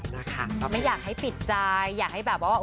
นะคะก็ไม่อยากให้ปิดใจอยากให้แบบว่า